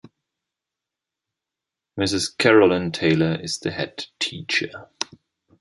Mrs Carolyn Taylor is the Headteacher.